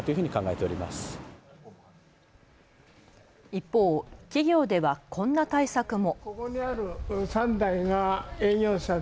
一方、企業ではこんな対策も。